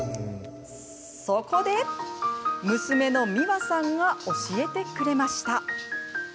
そこで、娘の三和さんが教えてくれました。